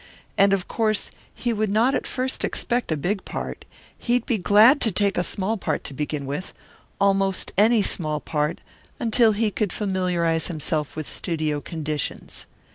And of course he would not at first expect a big part. He would be glad to take a small part to begin with almost any small part until he could familiarize himself with studio conditions.